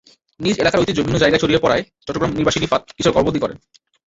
নিজ এলাকার ঐতিহ্য বিভিন্ন জায়গায় ছড়িয়ে পড়ায় চট্টগ্রামনিবাসী রিফাত কিছুটা গর্ববোধই করেন।